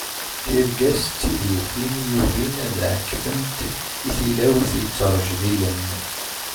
Tirga-s d tid yukin yugin ad ɛekfent i tilawt yettrejdilen.